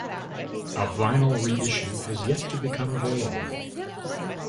A vinyl re-issue has yet to become available.